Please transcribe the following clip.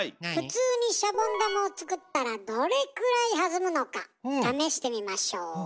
普通にシャボン玉を作ったらどれくらい弾むのかためしてみましょう。